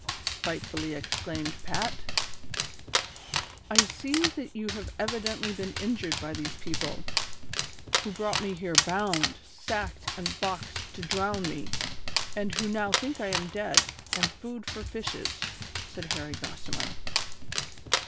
" spitefully exclaimed Pat. THE CONSPIRATORS AND LOVERS. 147 "I see that you have evidently been injured by these people, who brought me here bound, sacked and boxed to drown me, and who now think 1 am dead, and food for fishes," said Harry Gossimer.